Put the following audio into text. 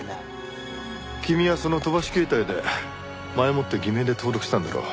君はその飛ばし携帯で前もって偽名で登録したんだろ。